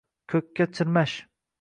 Ko’kka chirmash.